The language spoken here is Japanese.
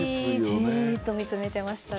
じっと見つめてましたね。